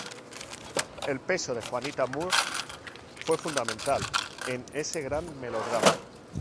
El peso de Juanita Moore fue fundamental en ese gran melodrama.